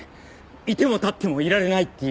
いてもたってもいられないっていうか。